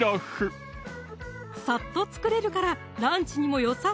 さっと作れるからランチにもよさ